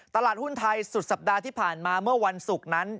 ตลาดหุ้นไทยสุดสัปดาห์ที่ผ่านมาเมื่อวันศุกร์นั้น